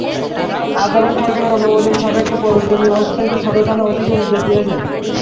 আদালত সরকারের অনুমোদন সাপেক্ষে প্রয়োজনীয় ব্যবস্থা নিতে সদর থানার ওসিকে নির্দেশ দিয়েছেন।